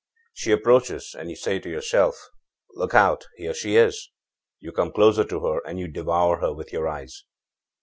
She approaches, and you say to yourself: 'Look out, here she is!' You come closer to her and you devour her with your eyes.